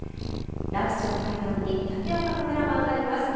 羅臼町の海岸に館岡カメラマンがいます。